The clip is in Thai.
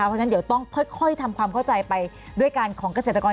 เพราะฉะนั้นเดี๋ยวต้องค่อยทำความเข้าใจไปด้วยการของเกษตรกร